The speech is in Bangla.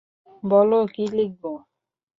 বল কী লিখবো?